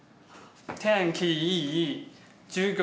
「天気いい授業